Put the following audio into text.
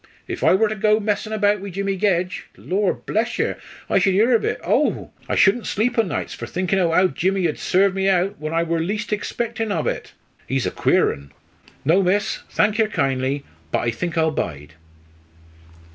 If I wor to go messin' about wi' Jimmy Gedge, Lor' bless yer, I should 'ear ov it oh! I shoulden sleep o' nights for thinkin' o' how Jimmy ud serve me out when I wor least egspectin' ov it. He's a queer un. No, miss, thank yer kindly; but I think I'll bide."